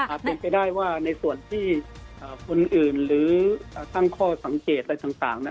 เป็นไปได้ว่าในส่วนที่คนอื่นหรือตั้งข้อสังเกตอะไรต่าง